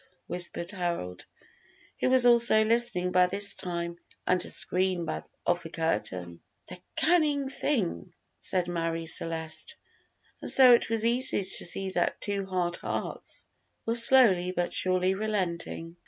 whispered Harold, who was also listening by this time under screen of the curtain. "The cunning thing!" said Marie Celeste; and so it was easy to see that two hard hearts were slowly but surely relenting.